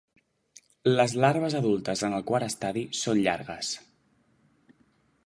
Les larves adultes en el quart estadi són llargues.